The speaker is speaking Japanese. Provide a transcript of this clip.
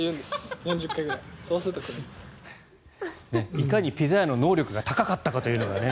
いかにピザ屋の能力が高かったかというのがね。